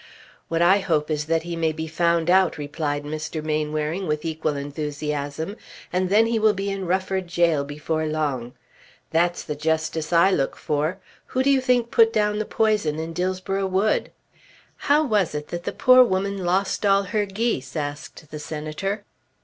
"What I hope is that he may be found out," replied Mr. Mainwaring with equal enthusiasm, "and then he will be in Rufford gaol before long. That's the justice I look for. Who do you think put down the poison in Dillsborough wood?" "How was it that the poor woman lost all her geese?" asked the Senator.